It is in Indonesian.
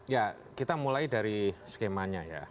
ya kita mulai dari skemanya ya